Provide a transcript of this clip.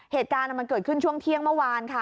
เหตุการณ์มันเกิดขึ้นช่วงเที่ยงเมื่อวานค่ะ